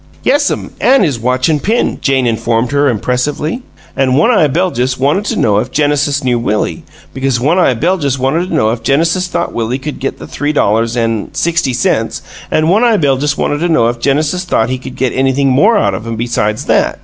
"Yes'm an' his watch an' pin," Jane informed her, impressively. "An' One eye Beljus wanted to know if Genesis knew Willie, because One eye Beljus wanted to know if Genesis thought Willie could get the three dollars an; sixty cents, an' One eye Beljus wanted to know if Genesis thought he could get anything more out of him besides that.